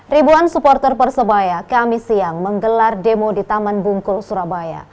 ribuan supporter persebaya kami siang menggelar demo di taman bungkul surabaya